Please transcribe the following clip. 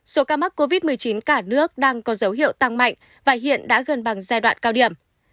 số ca mắc covid một mươi chín cả nước đang có dấu hiệu tăng mạnh và hiện đã gần bằng giai đoạn cao điểm